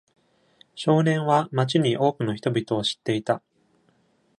少年は街に多くの人々を知っていた。